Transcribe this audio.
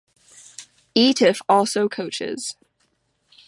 Eatough also coaches.